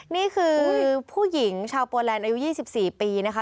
นี่คือผู้หญิงชาวโปแลนด์อายุ๒๔ปีนะคะ